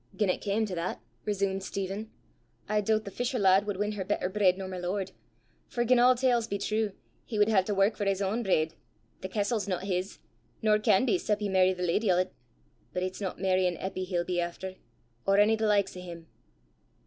"Gien it cam to that," resumed Stephen, "I doobt the fisher lad wud win her better breid nor my lord; for gien a' tales be true, he wud hae to wark for his ain breid; the castel 's no his, nor canna be 'cep' he merry the leddy o' 't. But it's no merryin' Eppy he'll be efter, or ony the likes o' 'im!"